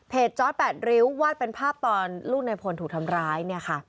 เพจจ๊อตแปดริ้ววาดเป็นภาพตอนลูกนายพลถูกทำร้าย